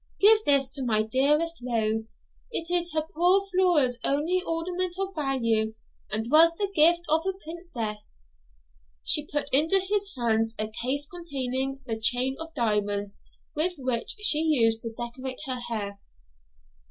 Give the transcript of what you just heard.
Give this to my dearest Rose; it is her poor Flora's only ornament of value, and was the gift of a princess.' She put into his hands a case containing the chain of diamonds with which she used to decorate her hair.